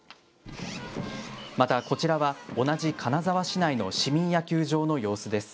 またこちらは、同じ金沢市内の市民野球場の様子です。